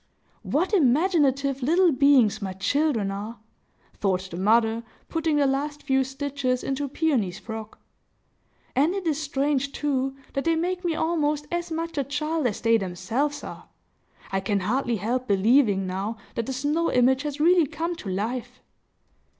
"What imaginative little beings my children are!" thought the mother, putting the last few stitches into Peony's frock. "And it is strange, too that they make me almost as much a child as they themselves are! I can hardly help believing, now, that the snow image has really come to life!"